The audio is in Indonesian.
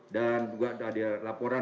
dan juga ada laporan